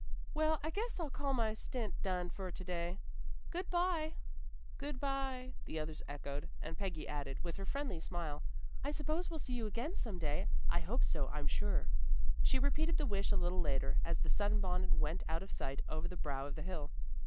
"Well, I guess I'll call my stint done for to day. Good by!" "Good by," the others echoed, and Peggy added, with her friendly smile, "I suppose we'll see you again some day. I hope so, I'm sure." She repeated the wish a little later, as the sunbonnet went out of sight over the brow of the hill.